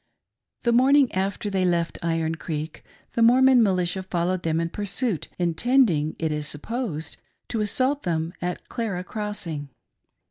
The morning after they left Iron Creek, the Mormon militia followed them in pursuit, intending, it is supposed, to assault them at Clara Crossing.